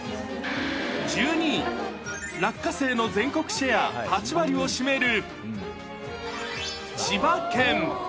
１２位、落花生の全国シェア８割を占める、千葉県。